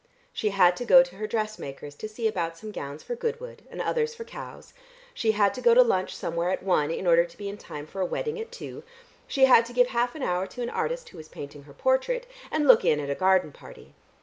She had to go to her dressmakers to see about some gowns for Goodwood, and others for Cowes; she had to go to lunch somewhere at one in order to be in time for a wedding at two, she had to give half an hour to an artist who was painting her portrait, and look in at a garden party.